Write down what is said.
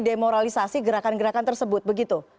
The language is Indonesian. demoralisasi gerakan gerakan tersebut begitu